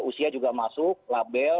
usia juga masuk label